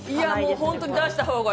本当に出したほうがいい！